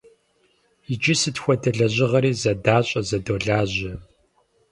Иджы сыт хуэдэ лэжьыгъэри зэдащӀэ, зэдолажьэ.